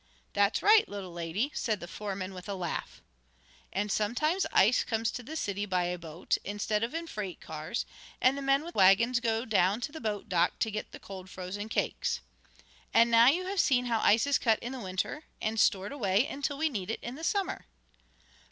"That's right, little lady!" said the foreman with a laugh. And sometimes ice comes to the city by a boat, instead of in freight cars, and the men with wagons go down to the boat dock to get the cold, frozen cakes. And now you have seen how ice is cut in winter, and stored away until we need it in the summer."